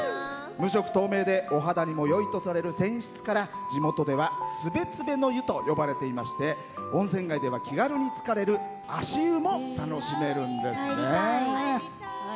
無色透明でお肌にもよいとされる泉質から地元では、つべつべの湯と呼ばれていまして温泉街では気軽につかれる足湯も楽しめるんです。